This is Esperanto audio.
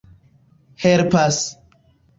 helpas